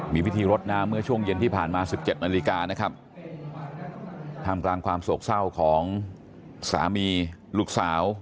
มีพิธีรดน้ำเมื่อช่วงเย็นที่ผ่านมา๑๗นาฬิกานะครับท่ามกลางความโศกเศร้าของสามีลูกสาว